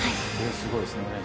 すごいですね。